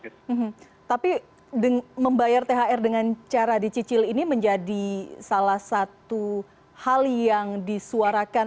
hmm tapi membayar thr dengan cara dicicil ini menjadi salah satu hal yang disuarakan